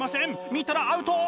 見たらアウト！